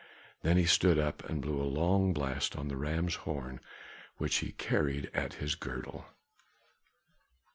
Then he stood up and blew a long blast on the ram's horn which he carried at his girdle.